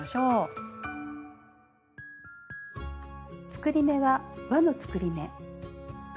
作り目は「わの作り目」。